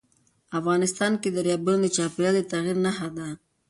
افغانستان کې دریابونه د چاپېریال د تغیر نښه ده.